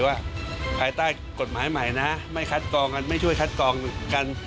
ว่าภายใต้กฎหมายใหม่นะไม่ช่วยคัดกองกัน